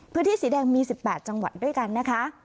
พื้นที่สีแดงมี๑๘จังหวัดด้วยกันนะคะ